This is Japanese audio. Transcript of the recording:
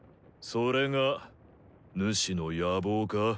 それがヌシの野望か？